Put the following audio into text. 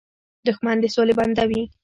دښمن د سولې بنده وي